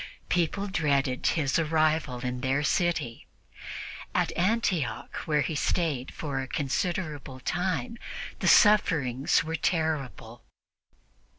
People dreaded his arrival in their city; at Antioch, where he stayed for a considerable time, the sufferings were terrible.